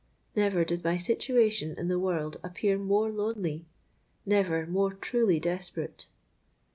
Never did my situation in the world appear more lonely—never more truly desperate!